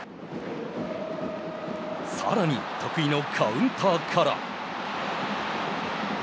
さらに、得意のカウンターから。